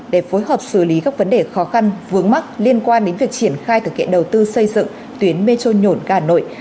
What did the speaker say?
để phối hợp xử lý các vấn đề khó khăn vướng mắc liên quan đến việc triển khai thực hiện đầu tư xây dựng tuyến metro nhổn ga hà nội